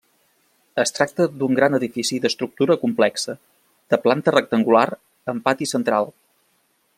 Es tracta d'un gran edifici d'estructura complexa, de planta rectangular amb pati central.